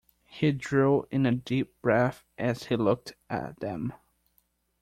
He drew in a deep breath as he looked at them.